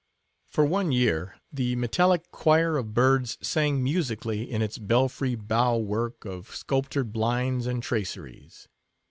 For one year the metallic choir of birds sang musically in its belfry bough work of sculptured blinds and traceries.